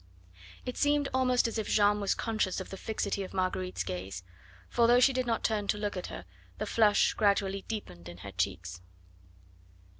It seemed almost as if Jeanne was conscious of the fixity of Marguerite's gaze, for though she did not turn to look at her, the flush gradually deepened in her cheeks.